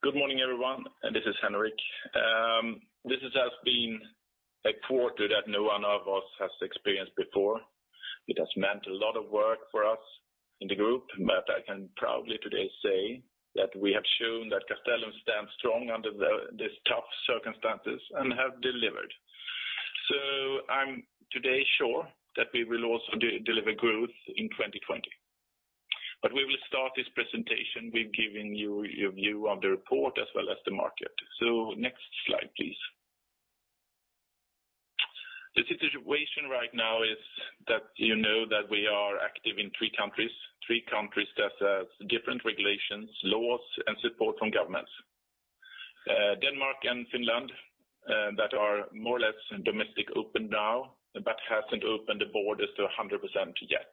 Good morning, everyone. This is Henrik. This has been a quarter that no one of us has experienced before. It has meant a lot of work for us in the group, but I can proudly today say that we have shown that Castellum stands strong under these tough circumstances and have delivered. I'm today sure that we will also deliver growth in 2020. We will start this presentation with giving you a view of the report as well as the market. Next slide, please. The situation right now is that you know that we are active in three countries. Three countries that have different regulations, laws, and support from governments. Denmark and Finland that are more or less domestic open now, but hasn't opened the borders 100% yet.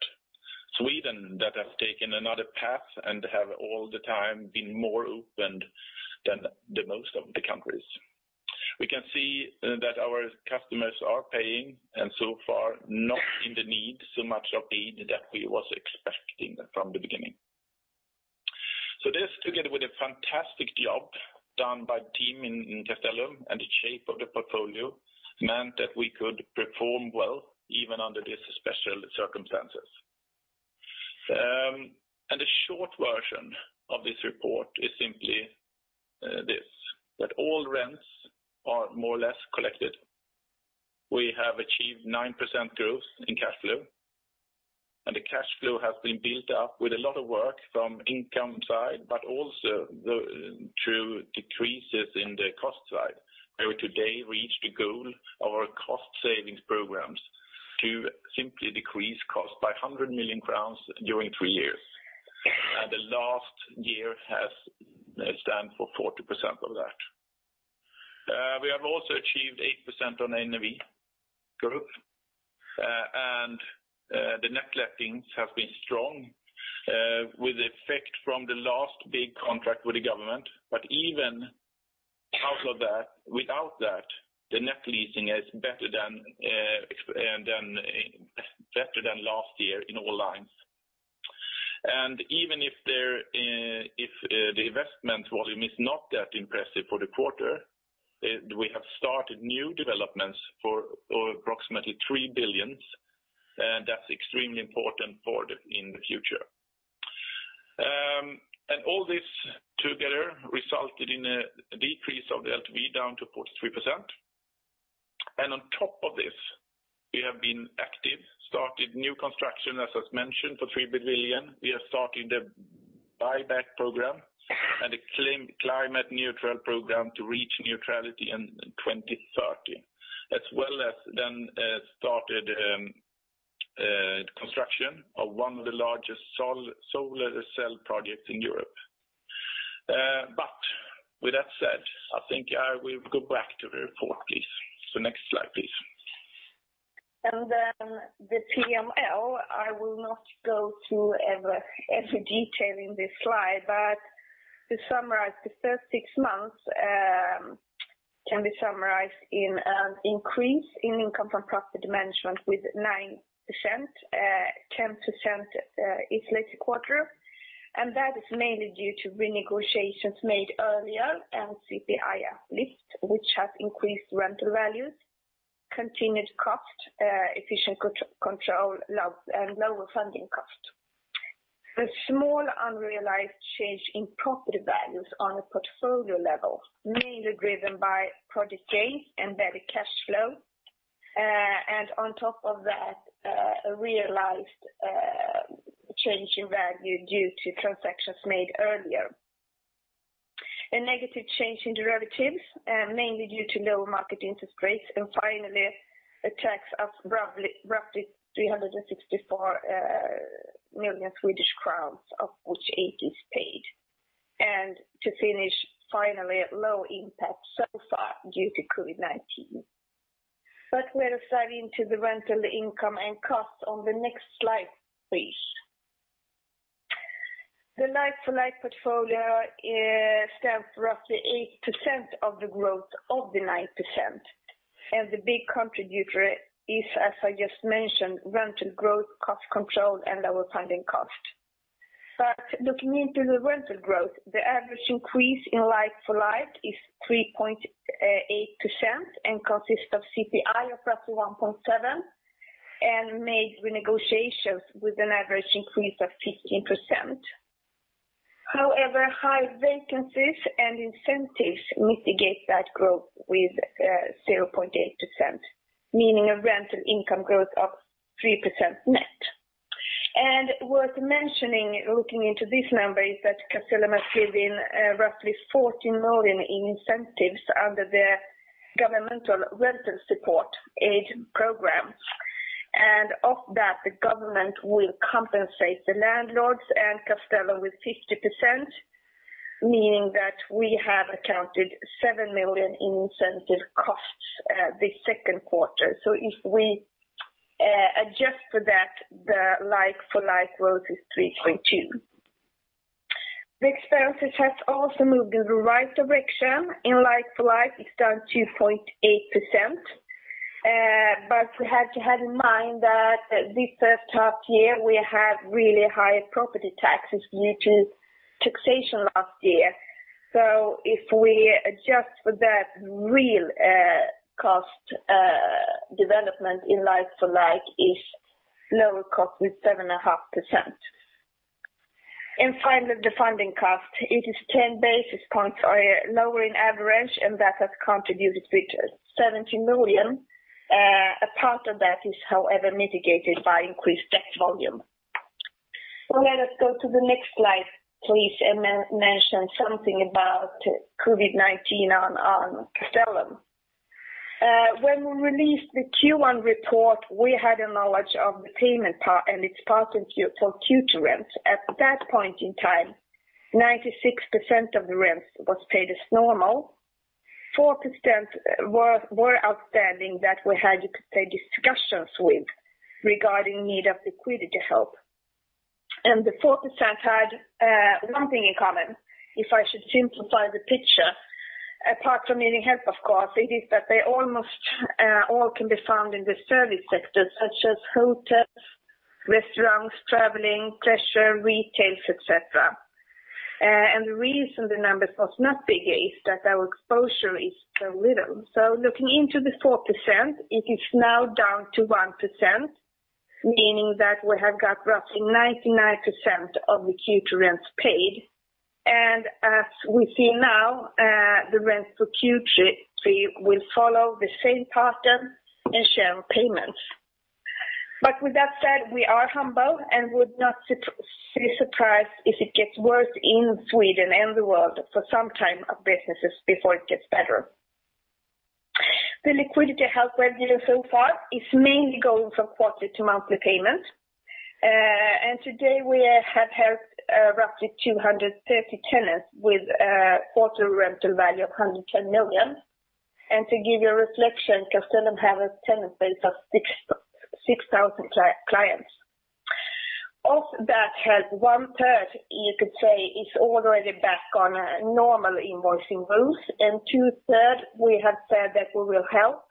Sweden, that has taken another path and have all the time been more open than the most of the countries. We can see that our customers are paying and so far not in the need so much of aid that we was expecting from the beginning. This together with a fantastic job done by team in Castellum and the shape of the portfolio meant that we could perform well even under these special circumstances. The short version of this report is simply this, that all rents are more or less collected. We have achieved 9% growth in cash flow, and the cash flow has been built up with a lot of work from income side, but also through decreases in the cost side. We today reached the goal of our cost savings programs to simply decrease cost by 100 million crowns during three years, the last year has stand for 40% of that. We have also achieved 8% on NAV grwth, the net lettings have been strong, with effect from the last big contract with the government. Even out of that, without that, the net leasing is better than last year in all lines. Even if the investment volume is not that impressive for the quarter, we have started new developments for approximately 3 billion. That's extremely important in the future. All this together resulted in a decrease of the LTV down to 43%. On top of this, we have been active, started new construction, as was mentioned, for 3 billion. We are starting the buyback program and a climate neutral program to reach neutrality in 2030. As well as then started construction of one of the largest solar cell projects in Europe. With that said, I think we'll go back to the report, please. Next slide, please. The TML, I will not go through every detail in this slide, but to summarize, the first six months can be summarized in an increase in income from property management with 9%, 10% isolated quarter. That is mainly due to renegotiations made earlier and CPI uplift, which has increased rental values, continued cost efficient control, and lower funding cost. The small unrealized change in property values on a portfolio level, mainly driven by project gains and better cash flow. On top of that, a realized change in value due to transactions made earlier. A negative change in derivatives, mainly due to lower market interest rates. Finally, a tax of roughly 364 million Swedish crowns, of which 80 is paid. To finish, finally, low impact so far due to COVID-19. Let us dive into the rental income and cost on the next slide, please. The like-for-like portfolio stands roughly 8% of the growth of the 9%. The big contributor is, as I just mentioned, rental growth, cost control, and lower funding cost. Looking into the rental growth, the average increase in like-for-like is 3.8% and consists of CPI of roughly 1.7% and made renegotiations with an average increase of 15%. However, high vacancies and incentives mitigate that growth with 0.8%, meaning a rental income growth of 3% net. Worth mentioning, looking into this number, is that Castellum has given roughly 14 million in incentives under the Governmental Rental Support Aid Program. Of that, the government will compensate the landlords and Castellum with 50%, meaning that we have accounted 7 million in incentive costs this second quarter. If we adjust for that, the like-for-like growth is 3.2%. The expenses have also moved in the right direction. In like-for-like, it's down 2.8%. We have to have in mind that this first half year we had really high property taxes due to taxation last year. If we adjust for that real cost development in like-for-like is lower cost with 7.5%. Finally, the funding cost. It is 10 basis points lower in average, and that has contributed with 70 million. A part of that is, however, mitigated by increased debt volume. Let us go to the next slide, please, and mention something about COVID-19 on Castellum. When we released the Q1 report, we had a knowledge of the payment part and its pattern for Q2 rents. At that point in time, 96% of the rents was paid as normal. 4% were outstanding that we had to have discussions with regarding need of liquidity help. The 4% had one thing in common, if I should simplify the picture. Apart from needing help, of course, it is that they almost all can be found in the service sectors such as hotels, restaurants, traveling, leisure, retails, et cetera. The reason the numbers was not bigger is that our exposure is so little. Looking into the 4%, it is now down to 1%, meaning that we have got roughly 99% of the Q2 rents paid. As we see now, the rents for Q3 will follow the same pattern and share payments. With that said, we are humble and would not be surprised if it gets worse in Sweden and the world for some time of businesses before it gets better. The liquidity help we're giving so far is mainly going from quarterly to monthly payment. Today we have helped roughly 230 tenants with a quarter rental value of 110 million. To give you a reflection, Castellum have a tenant base of 6,000 clients. Of that help, one-third, you could say, is already back on normal invoicing rules, and two-third we have said that we will help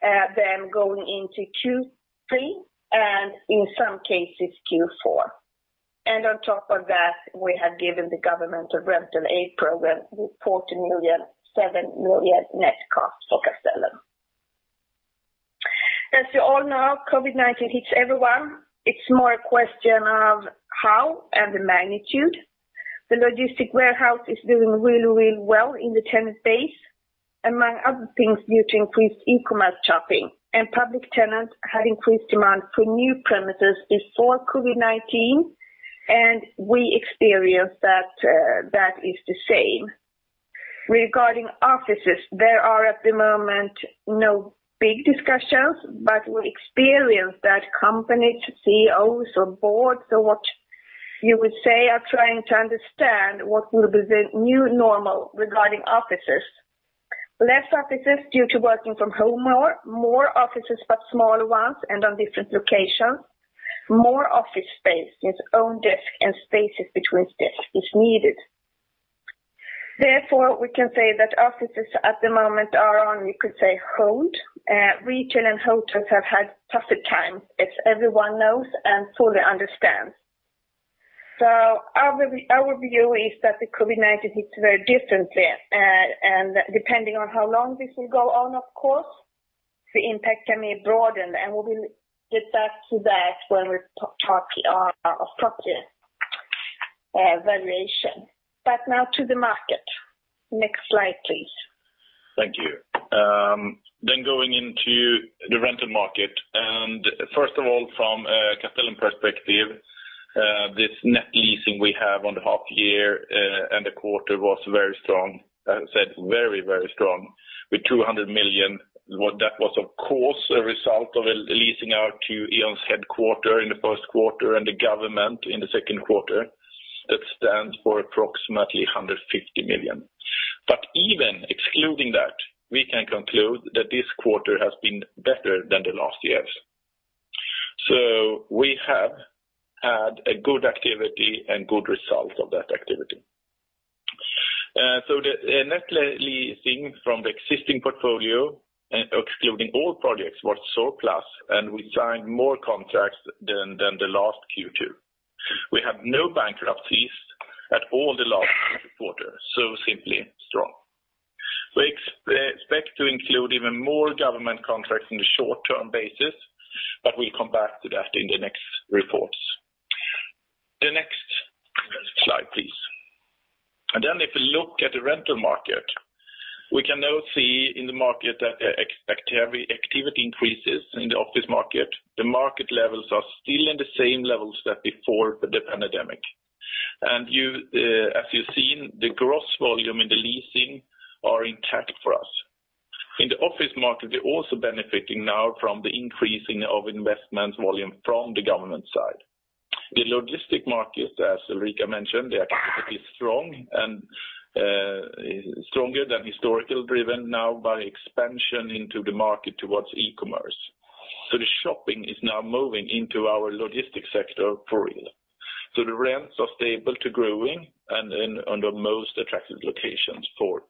them going into Q3 and in some cases Q4. On top of that, we have given the government a rental aid program with 47 million net cost for Castellum. As you all know, COVID-19 hits everyone. It's more a question of how and the magnitude. The logistic warehouse is doing really, really well in the tenant base. Among other things due to increased e-commerce shopping, and public tenants had increased demand for new premises before COVID-19, and we experience that is the same. Regarding offices, there are at the moment no big discussions, but we experience that companies, CEOs or boards, or what you would say, are trying to understand what will be the new normal regarding offices. Less offices due to working from home more, more offices, but smaller ones and on different locations. More office space with own desk and spaces between desks is needed. Therefore, we can say that offices at the moment are on, you could say, hold. Retail and hotels have had tougher time, as everyone knows and fully understands. Our view is that the COVID-19 hits very differently. Depending on how long this will go on, of course, the impact can be broadened, and we will get back to that when we talk of property valuation. Now to the market. Next slide, please. Thank you. Going into the rental market. First of all, from a Castellum perspective, this net leasing we have on the half year and the quarter was very strong. I said very strong with 200 million. That was of course, a result of leasing out to E.ON's headquarters in the first quarter and the government in the second quarter. That stands for approximately 150 million. Even excluding that, we can conclude that this quarter has been better than the last years. We have had a good activity and good results of that activity. The net leasing from the existing portfolio, excluding all projects, was surplus and we signed more contracts than the last Q2. We have no bankruptcies at all the last quarter, simply strong. We expect to include even more government contracts in the short-term basis, but we'll come back to that in the next reports. The next slide, please. If you look at the rental market, we can now see in the market that activity increases in the office market. The market levels are still in the same levels that before the pandemic. As you've seen, the gross volume in the leasing are intact for us. In the office market, they're also benefiting now from the increasing of investment volume from the government side. The logistics market, as Ulrika mentioned, the activity is strong and stronger than historical, driven now by expansion into the market towards e-commerce. The shopping is now moving into our logistics sector for real. The rents are stable to growing and in the most attractive locations for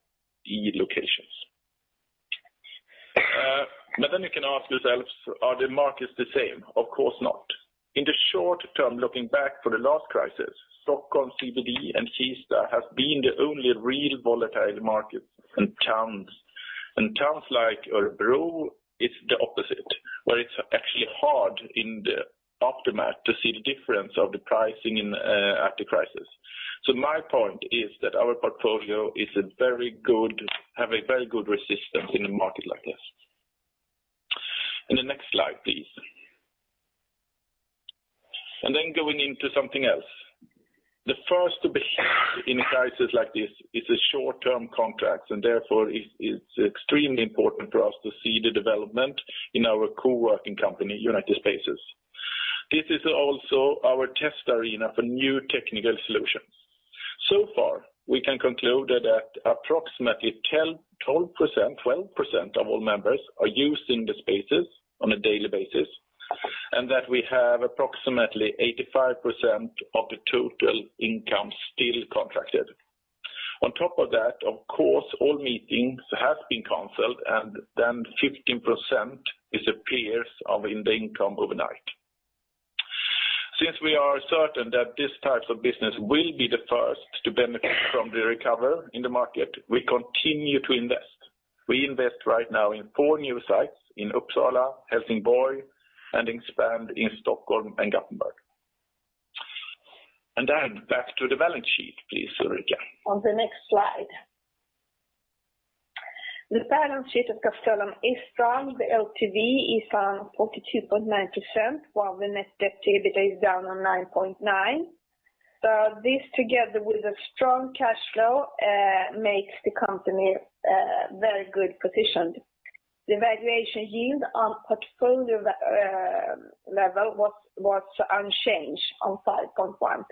e-locations. You can ask yourselves, are the markets the same? Of course not. In the short term, looking back for the last crisis, Stockholm CBD and Kista have been the only real volatile markets and towns. Towns like Örebro, it's the opposite, where it's actually hard in the aftermath to see the difference of the pricing after crisis. My point is that our portfolio have a very good resistance in a market like this. The next slide, please. Going into something else. The first to be hit in a crisis like this is the short-term contracts, and therefore it's extremely important for us to see the development in our co-working company, United Spaces. This is also our test arena for new technical solutions. Far, we can conclude that approximately 12% of all members are using the spaces on a daily basis, and that we have approximately 85% of the total income still contracted. On top of that, of course, all meetings have been canceled, then 15% disappears of the income overnight. Since we are certain that this type of business will be the first to benefit from the recovery in the market, we continue to invest. We invest right now in four new sites in Uppsala, Helsingborg, and expand in Stockholm and Gothenburg. Then back to the balance sheet, please, Ulrika. On the next slide. The balance sheet of Castellum is strong. The LTV is on 42.9%, while the net debt-to-EBITDA is down on 9.9. This together with a strong cash flow makes the company very good positioned. The valuation yield on portfolio level was unchanged on 5.1%.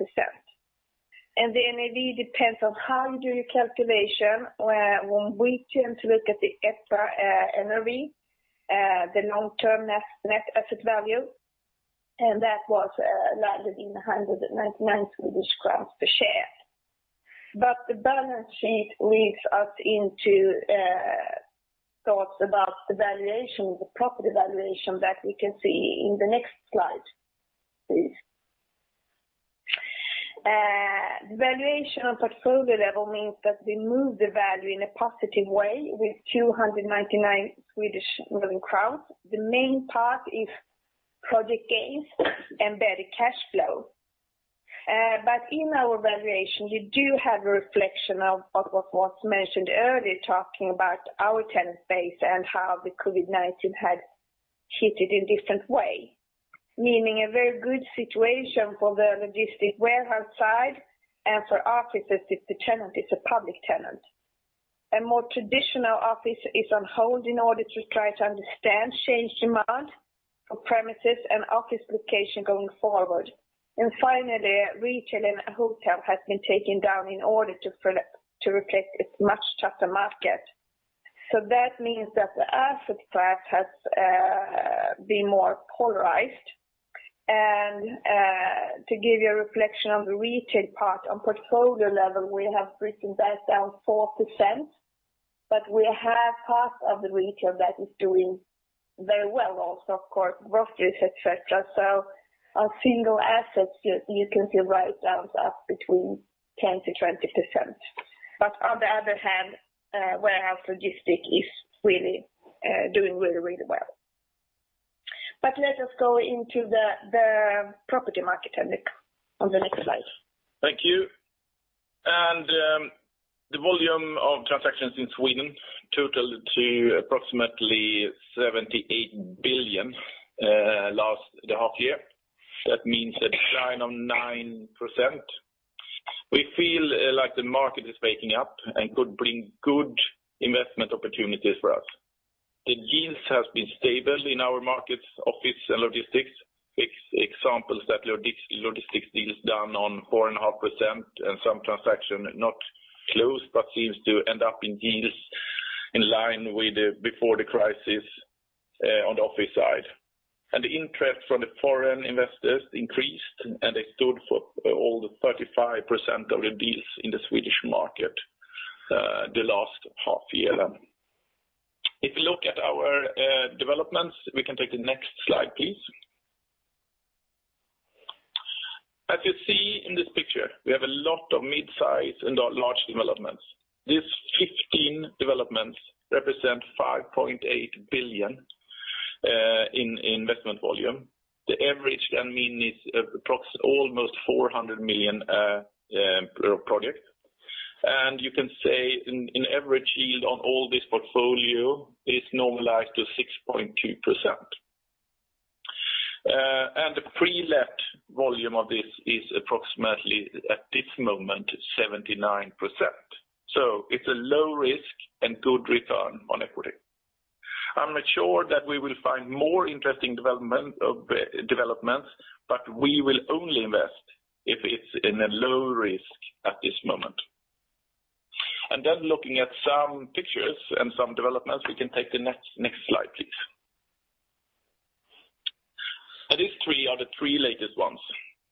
The NAV depends on how you do your calculation. When we tend to look at the EPRA NAV, the long-term net asset value, and that was landed in 199 Swedish crowns per share. The balance sheet leads us into thoughts about the valuation, the property valuation that we can see in the next slide, please. Valuation on portfolio level means that we move the value in a positive way with 299 million crowns. The main part is project gains and better cash flow. In our valuation, you do have a reflection of what was mentioned earlier talking about our tenant base and how the COVID-19 had hit it in different way. Meaning a very good situation for the logistic warehouse side and for offices if the tenant is a public tenant. A more traditional office is on hold in order to try to understand changed demand for premises and office location going forward. Finally, retail and hotel has been taken down in order to reflect its much tougher market. That means that the asset class has been more polarized. To give you a reflection on the retail part, on portfolio level, we have written that down 4%, but we have half of the retail that is doing very well also, of course, groceries, et cetera. On single assets, you can see write-downs up between 10%-20%. On the other hand, warehouse logistics is really doing really well. Let us go into the property market, Henrik, on the next slide. Thank you. The volume of transactions in Sweden totaled to approximately 78 billion the half year. That means a decline of 9%. We feel like the market is waking up and could bring good investment opportunities for us. The deals have been stable in our markets, office and logistics. Examples that logistics deals down on 4.5% and some transaction not closed, but seems to end up in deals in line with before the crisis on the office side. The interest from the foreign investors increased, and they stood for all the 35% of the deals in the Swedish market the last half year. If you look at our developments, we can take the next slide, please. As you see in this picture, we have a lot of mid-size and large developments. These 15 developments represent 5.8 billion in investment volume. The average mean is approx SEK 400 million per project. You can say an average yield on all this portfolio is normalized to 6.2%. The pre-let volume of this is approximately, at this moment, 79%. It's a low risk and good return on equity. I'm not sure that we will find more interesting developments, but we will only invest if it's in a low risk at this moment. Looking at some pictures and some developments. We can take the next slide, please. These three are the three latest ones.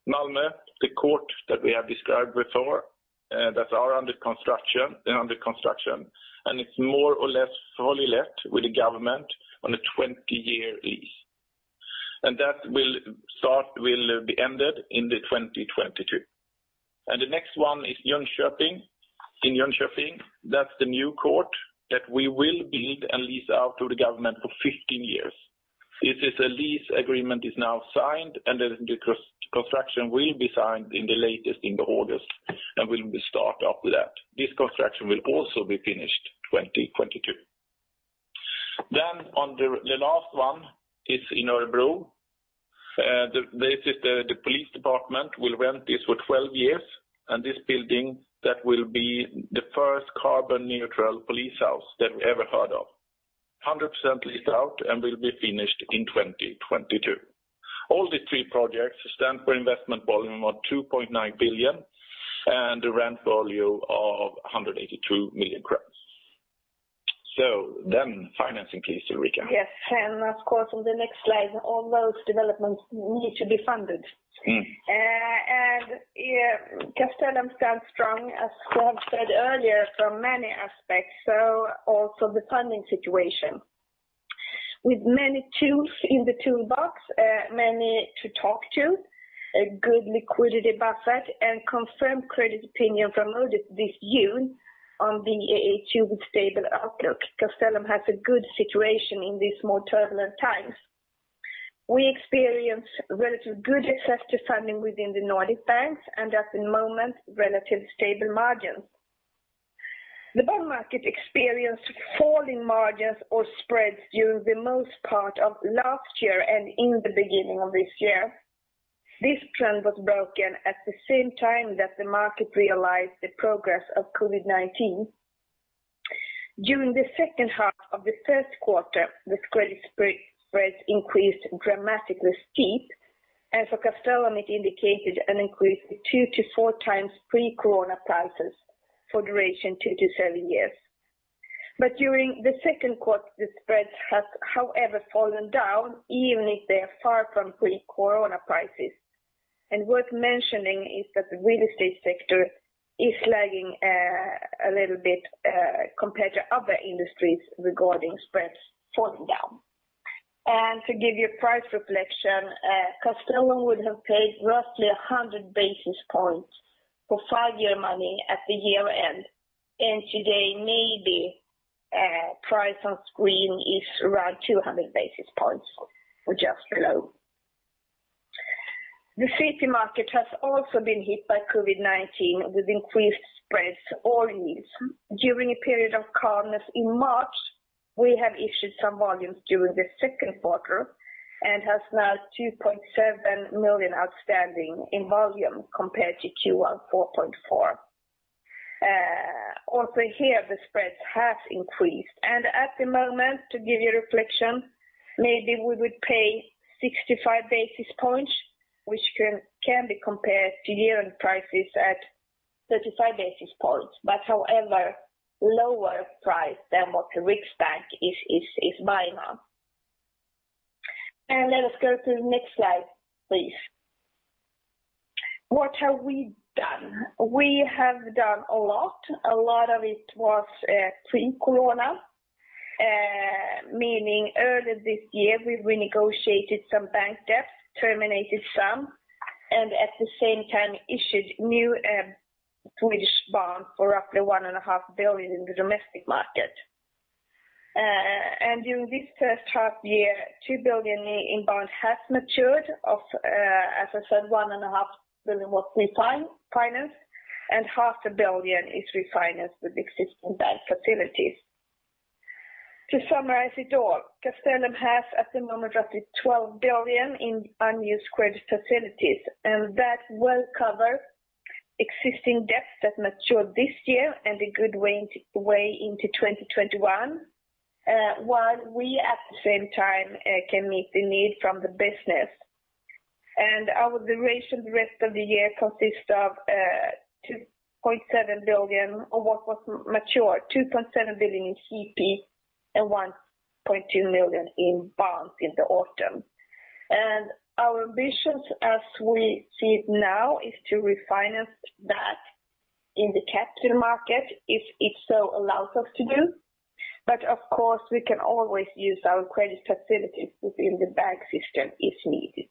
Malmö, the court that we have described before that are under construction. It's more or less fully let with the government on a 20-year lease. That will be ended in the 2022. The next one is Jönköping. In Jönköping, that is the new court that we will build and lease out to the government for 15 years. This lease agreement is now signed. The construction will be signed at the latest in August and we'll start up with that. This construction will also be finished 2022. On the last one is in Örebro. The police department will rent this for 12 years. This building that will be the first carbon neutral police house that we ever heard of, 100% leased out and will be finished in 2022. All the three projects stand for investment volume of 2.9 billion and the rent volume of 182 million crowns. Financing case, Ulrika. Yes. Of course on the next slide all those developments need to be funded. Castellum stands strong, as we have said earlier, from many aspects so also the funding situation. With many tools in the toolbox, many to talk to, a good liquidity buffer and confirmed credit opinion from Moody's this June on Baa2 with stable outlook. Castellum has a good situation in these more turbulent times. We experience relative good access to funding within the Nordic banks and at the moment, relative stable margins. The bond market experienced falling margins or spreads during the most part of last year and in the beginning of this year. This trend was broken at the same time that the market realized the progress of COVID-19. During the second half of the first quarter, the credit spreads increased dramatically steep. As for Castellum, it indicated an increase of 2 to 4 times pre-corona prices for duration 2 to 7 years. During the second quarter, the spreads have, however, fallen down, even if they are far from pre-corona prices. Worth mentioning is that the real estate sector is lagging a little bit compared to other industries regarding spreads falling down. To give you a price reflection, Castellum would have paid roughly 100 basis points for 5-year money at the year-end. Today maybe price on screen is around 200 basis points or just below. The CP market has also been hit by COVID-19 with increased spreads at least. During a period of calmness in March, we have issued some volumes during the second quarter and has now 2.7 million outstanding in volume compared to Q1 4.4 million. Here the spreads have increased. At the moment, to give you a reflection, maybe we would pay 65 basis points, which can be compared to year-end prices at 35 basis points, however lower price than what the Riksbank is buying on. Let us go to the next slide, please. What have we done? We have done a lot. A lot of it was pre-corona, meaning earlier this year we renegotiated some bank debts, terminated some and at the same time issued new Swedish bond for roughly 1.5 billion in the domestic market. During this first half year, 2 billion in bond has matured of, as I said, 1.5 billion was refinanced and half a billion is refinanced with existing bank facilities. To summarize it all, Castellum has at the moment roughly 12 billion in unused credit facilities and that will cover existing debts that mature this year and a good way into 2021 while we, at the same time, can meet the need from the business. Our duration the rest of the year consists of 2.7 billion of what was mature, 2.7 billion in CP and 1.2 million in bonds in the autumn. Our ambitions as we see it now is to refinance that in the capital market if it so allows us to do. Of course we can always use our credit facilities within the bank system if needed.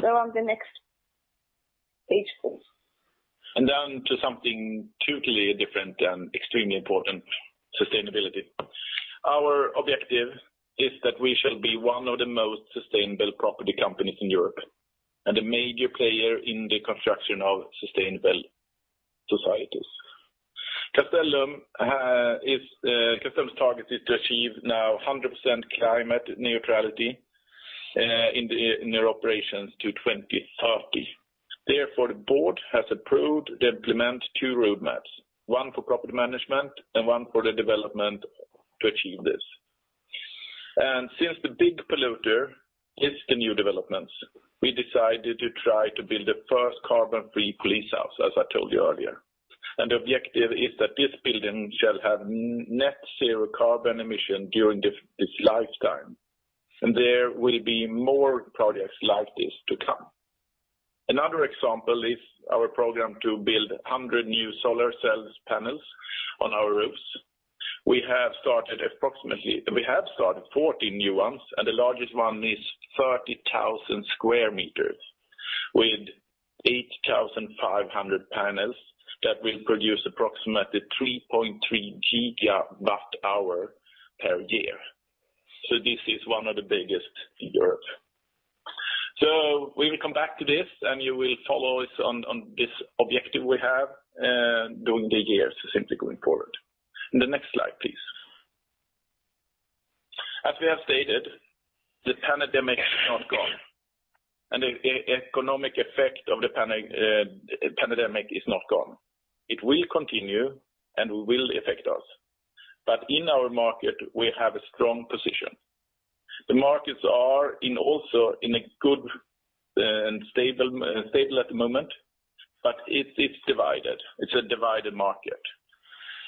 Go on the next page, please. On to something totally different and extremely important, sustainability. Our objective is that we shall be one of the most sustainable property companies in Europe and a major player in the construction of sustainable societies. Castellum's target is to achieve now 100% climate neutrality in their operations to 2030. Therefore, the board has approved to implement two roadmaps, one for property management and one for the development to achieve this. Since the big polluter is the new developments, we decided to try to build the first carbon-free police house, as I told you earlier. The objective is that this building shall have net zero carbon emission during its lifetime. There will be more projects like this to come. Another example is our program to build 100 new solar cells panels on our roofs. We have started 40 new ones. The largest one is 30,000 sq m with 8,500 panels that will produce approximately 3.3 GWh per year. This is one of the biggest in Europe. We will come back to this and you will follow us on this objective we have during the years simply going forward. The next slide, please. As we have stated, the pandemic is not gone and the economic effect of the pandemic is not gone. It will continue and will affect us. In our market, we have a strong position. The markets are also in a good and stable at the moment. It's divided. It's a divided market.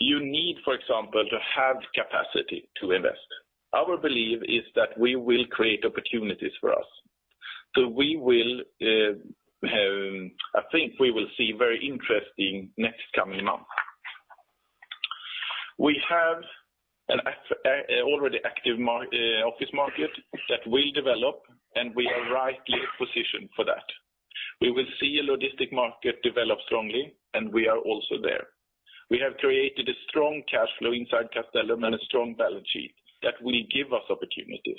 You need, for example, to have capacity to invest. Our belief is that we will create opportunities for us. I think we will see very interesting next coming months. We have an already active office market that will develop. We are rightly positioned for that. We will see a logistic market develop strongly. We are also there. We have created a strong cash flow inside Castellum and a strong balance sheet that will give us opportunities.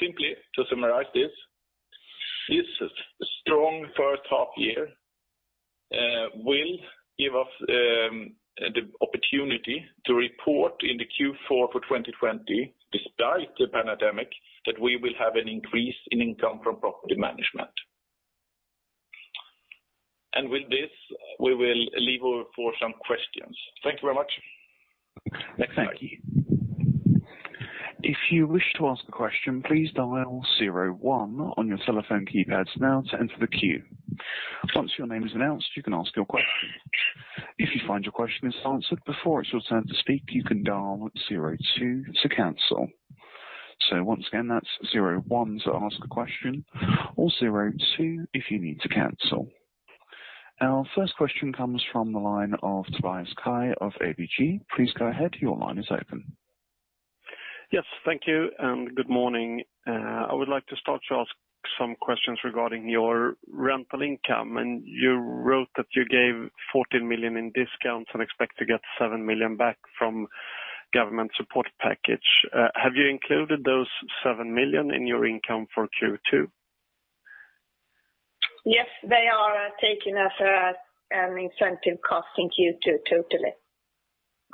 Simply to summarize this strong first half year will give us the opportunity to report in the Q4 for 2020, despite the pandemic, that we will have an increase in income from property management. With this, we will leave over for some questions. Thank you very much. Next slide. Thank you. If you wish to ask a question, please dial 01 on your telephone keypads now to enter the queue. Once your name is announced, you can ask your question. If you find your question is answered before it's your turn to speak, you can dial 02 to cancel. Once again, that's 01 to ask a question or 02 if you need to cancel. Our first question comes from the line of Tobias Kaj of ABG. Please go ahead. Your line is open. Yes, thank you and good morning. I would like to start to ask some questions regarding your rental income. You wrote that you gave 14 million in discounts and expect to get 7 million back from government support package. Have you included those 7 million in your income for Q2? Yes, they are taken as an incentive cost in Q2 totally.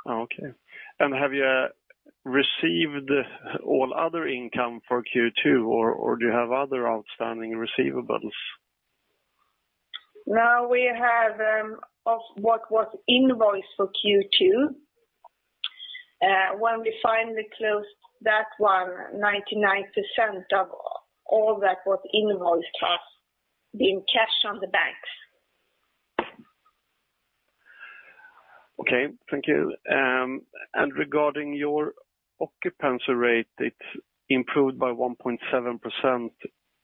Okay. Have you received all other income for Q2, or do you have other outstanding receivables? Now we have of what was invoiced for Q2. When we finally closed that one, 99% of all that was invoiced has been cashed on the banks. Okay, thank you. Regarding your occupancy rate, it improved by 1.7%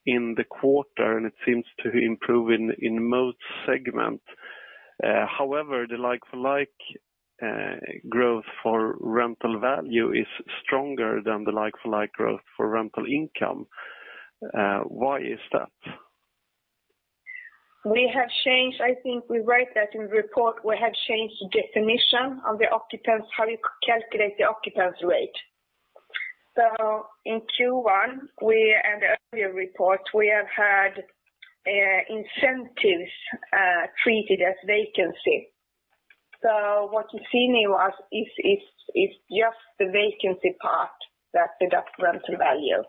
in the quarter, and it seems to improve in most segment. However, the like-for-like growth for rental value is stronger than the like-for-like growth for rental income. Why is that? I think we write that in the report, we have changed the definition on how we calculate the occupancy rate. In Q1 and the earlier report, we have had incentives treated as vacancy. What you see now is just the vacancy part that deducts rental value.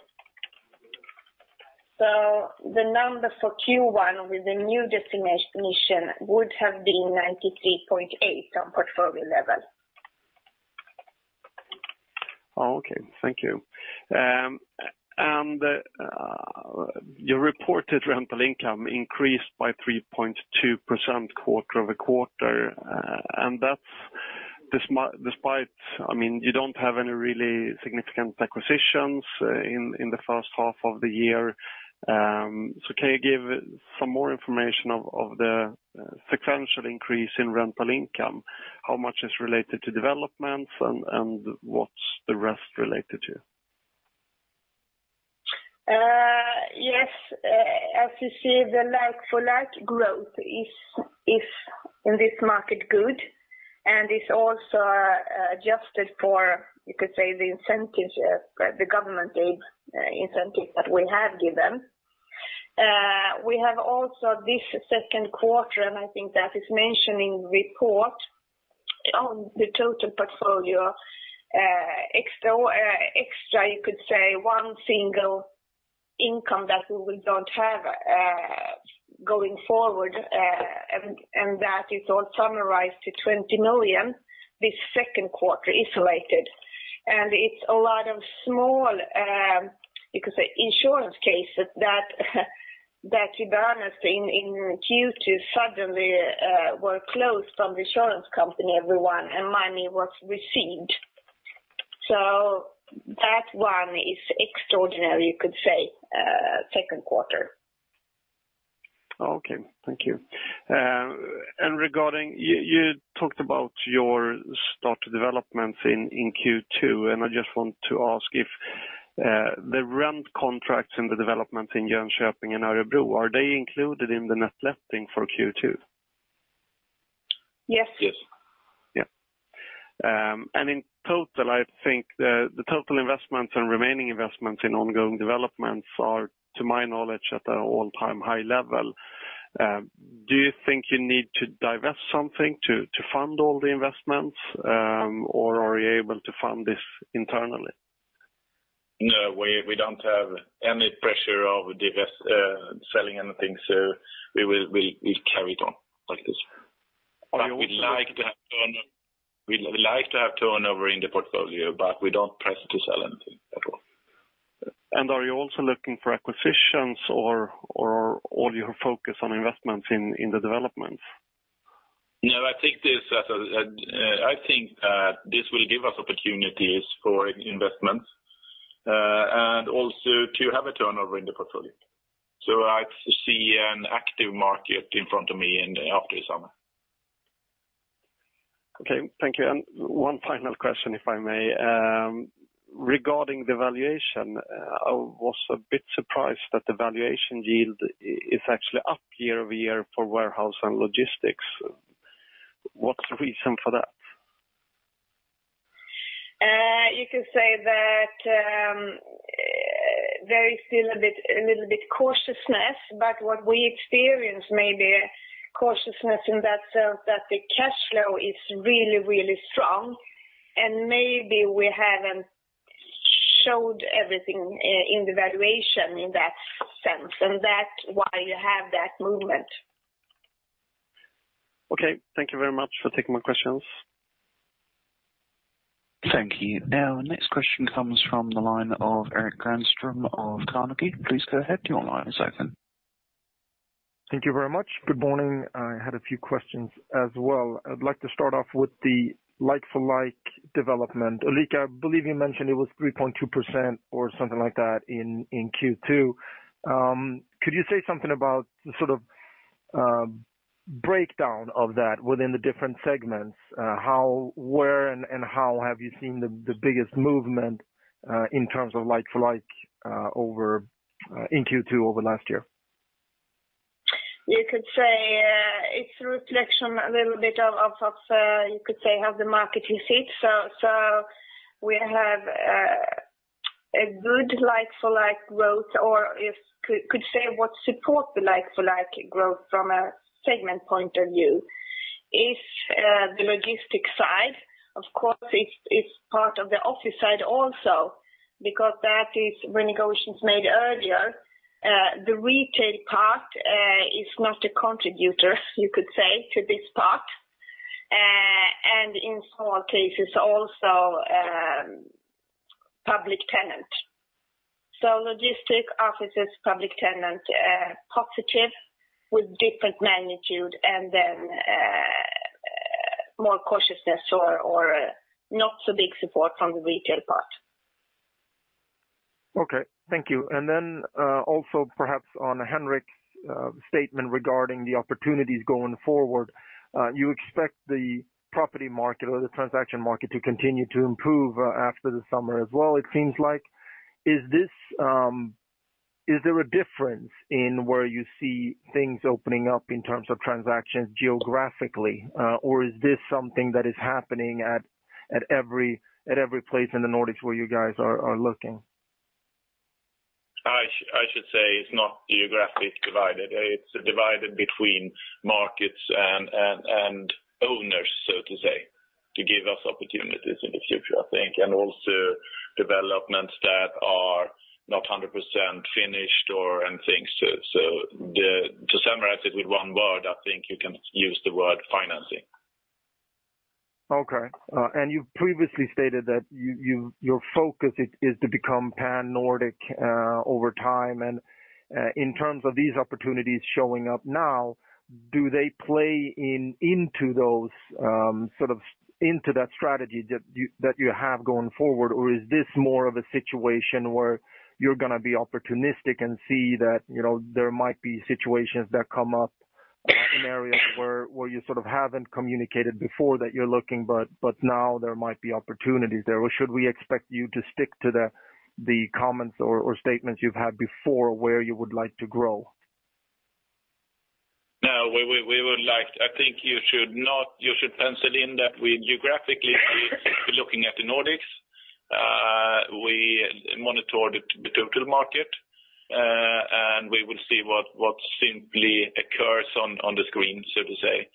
The number for Q1 with the new definition would have been 93.8% on portfolio level. Okay, thank you. Your reported rental income increased by 3.2% quarter-over-quarter. You don't have any really significant acquisitions in the first half of the year. Can you give some more information of the sequential increase in rental income? How much is related to developments and what's the rest related to? As you see, the like-for-like growth is in this market good. It's also adjusted for, you could say the incentives the government gave, incentives that we have given. We have also this second quarter. I think that is mentioned in report on the total portfolio extra, you could say, one single income that we don't have going forward. That is all summarized to 20 million this second quarter isolated. It's a lot of small insurance cases that, to be honest, in Q2 suddenly were closed from the insurance company, everyone, and money was received. That one is extraordinary, you could say, second quarter. Okay. Thank you. Regarding, you talked about your start developments in Q2, and I just want to ask if the rent contracts and the developments in Jönköping and Örebro, are they included in the net letting for Q2? Yes. Yes. Yeah. In total, I think the total investments and remaining investments in ongoing developments are, to my knowledge, at an all-time high level. Do you think you need to divest something to fund all the investments? Are you able to fund this internally? No, we don't have any pressure of divest, selling anything. We will carry it on like this. We like to have turnover in the portfolio, but we don't press to sell anything at all. Are you also looking for acquisitions or all your focus on investments in the developments? No, I think this will give us opportunities for investments, and also to have a turnover in the portfolio. I see an active market in front of me after the summer. Okay. Thank you. One final question, if I may. Regarding the valuation, I was a bit surprised that the valuation yield is actually up year-over-year for warehouse and logistics. What's the reason for that? You could say that there is still a little bit cautiousness. What we experience may be cautiousness in that sense that the cash flow is really, really strong. Maybe we haven't showed everything in the valuation in that sense. That's why you have that movement. Okay. Thank you very much for taking my questions. Thank you. Now, next question comes from the line of Erik Granström of Carnegie. Please go ahead, your line is open. Thank you very much. Good morning. I had a few questions as well. I'd like to start off with the like-for-like development. Ulrika, I believe you mentioned it was 3.2% or something like that in Q2. Could you say something about the sort of breakdown of that within the different segments? Where and how have you seen the biggest movement in terms of like-for-like in Q2 over last year? You could say it's a reflection a little bit of, you could say, how the market is hit. We have a good like-for-like growth or could say what supports the like-for-like growth from a segment point of view is the logistics side. Of course, it's part of the office side also because that is renegotiations made earlier. The retail part is not a contributor, you could say, to this part. In some cases, also public tenant. Logistics, offices, public tenant, positive with different magnitude and then more cautiousness or not so big support from the retail part. Okay. Thank you. Then, also perhaps on Henrik's statement regarding the opportunities going forward. You expect the property market or the transaction market to continue to improve after the summer as well, it seems like. Is there a difference in where you see things opening up in terms of transactions geographically? Is this something that is happening at every place in the Nordics where you guys are looking? I should say it's not geographically divided. It's divided between markets and owners, so to say, to give us opportunities in the future, I think. Also, developments that are not 100% finished or anything. To summarize it with one word, I think you can use the word financing. Okay. You've previously stated that your focus is to become pan-Nordic over time. In terms of these opportunities showing up now, do they play into that strategy that you have going forward? Is this more of a situation where you're going to be opportunistic and see that there might be situations that come up in areas where you sort of haven't communicated before that you're looking, but now there might be opportunities there? Should we expect you to stick to the comments or statements you've had before where you would like to grow? No, I think you should pencil in that we geographically, we're looking at the Nordics. We monitor the total market. We will see what simply occurs on the screen, so to say,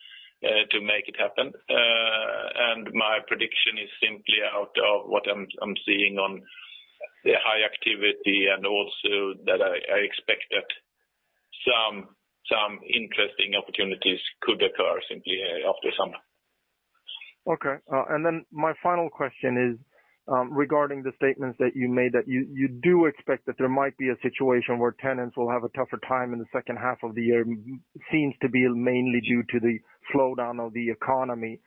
to make it happen. My prediction is simply out of what I'm seeing on the high activity and also that I expect that some interesting opportunities could occur simply after summer. Okay. Then my final question is regarding the statements that you made, that you do expect that there might be a situation where tenants will have a tougher time in the second half of the year, seems to be mainly due to the slowdown of the economy.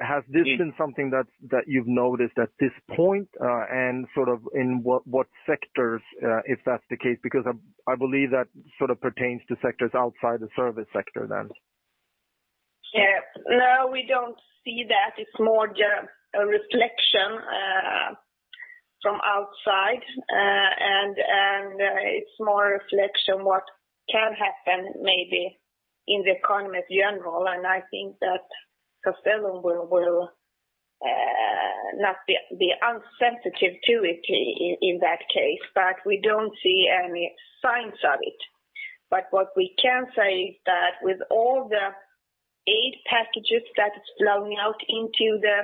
Has this been something that you've noticed at this point? In what sectors, if that's the case, because I believe that sort of pertains to sectors outside the service sector then. No, we don't see that. It's more just a reflection from outside, it's more a reflection what can happen maybe in the economy in general, I think that Castellum will not be insensitive to it in that case, we don't see any signs of it. What we can say is that with all the aid packages that is flowing out into the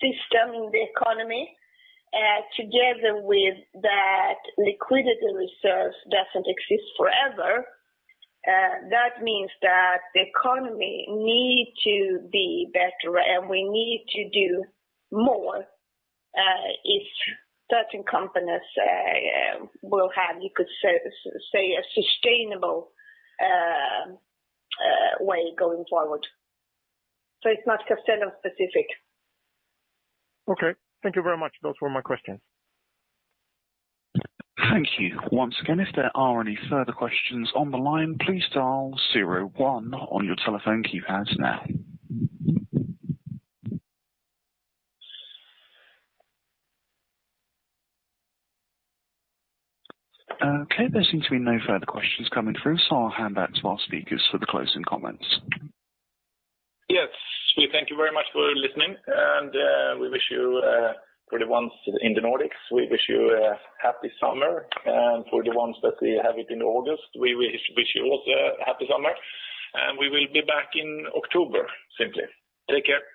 system in the economy, together with that liquidity reserves doesn't exist forever, that means that the economy need to be better, we need to do more, if certain companies will have, you could say, a sustainable way going forward. It's not Castellum specific. Okay. Thank you very much. Those were my questions. Thank you once again. If there are any further questions on the line, please dial zero one on your telephone keypads now. Okay, there seems to be no further questions coming through, so I'll hand back to our speakers for the closing comments. Yes. We thank you very much for listening, and we wish you for the ones in the Nordics, we wish you a happy summer, and for the ones that have it in August, we wish you also a happy summer, and we will be back in October simply. Take care.